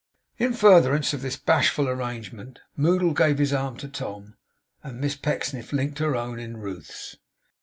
In furtherance of this bashful arrangement, Moddle gave his arm to Tom; and Miss Pecksniff linked her own in Ruth's.